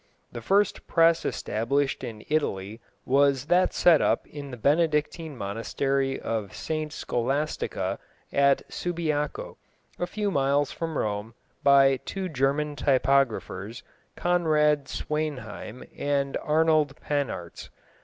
The first press established in Italy was that set up in the Benedictine monastery of St Scholastica at Subiaco, a few miles from Rome, by two German typographers, Conrad Sweynheim and Arnold Pannartz.